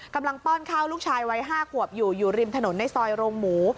ป้อนข้าวลูกชายวัย๕ขวบอยู่อยู่ริมถนนในซอยโรงหมู